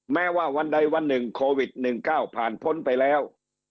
แม้ว่าวันใดวันหนึ่งโควิด๑๙ผ่านพ้นไปแล้ว